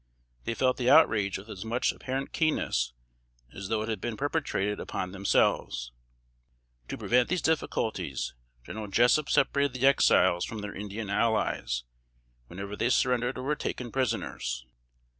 They felt the outrage with as much apparent keenness as though it had been perpetrated upon themselves. To prevent these difficulties, General Jessup separated the Exiles from their Indian allies, whenever they surrendered or were taken prisoners.